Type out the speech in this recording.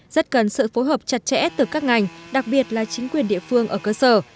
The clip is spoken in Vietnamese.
rất cần sự phối hợp chặt chẽ từ các ngành đặc biệt là chính quyền địa phương ở cơ sở